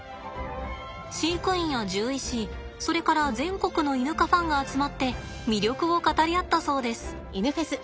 飼育員や獣医師それから全国のイヌ科ファンが集まって魅力を語り合ったそうです。